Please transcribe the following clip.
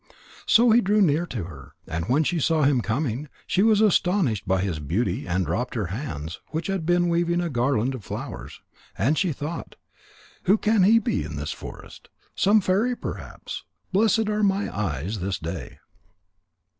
So he drew near to her. And when she saw him coming, she was astonished at his beauty and dropped her hands, which had been weaving a garland of flowers. And she thought: "Who can he be in this forest? Some fairy perhaps. Blessed are my eyes this day."